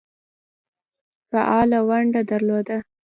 فعاله ونډه درلوده.